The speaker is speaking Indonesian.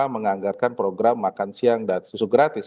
menganggarkan program makan siang dan susu gratis